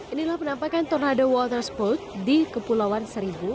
inilah penampakan tornado water spout di kepulauan seribu